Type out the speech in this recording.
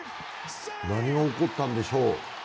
何が起こったんでしょう。